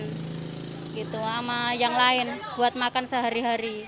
gitu sama yang lain buat makan sehari hari